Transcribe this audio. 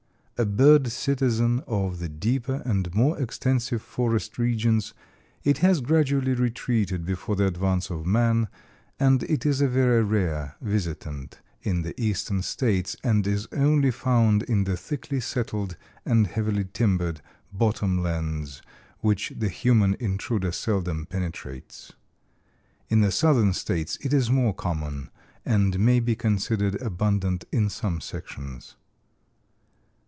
A bird citizen of the deeper and more extensive forest regions, it has gradually retreated before the advance of man, and it is a very rare visitant in the Eastern States and is only found in the thickly settled and heavily timbered bottom lands which the human intruder seldom penetrates. In the Southern States it is more common and may be considered abundant in some sections.